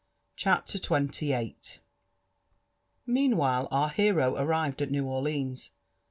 CHAPTER XXVIIL Meanwhile, our hero arrived at New Orleans.